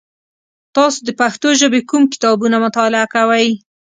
تاسو د پښتو ژبې کوم کتابونه مطالعه کوی؟